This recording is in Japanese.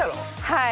はい。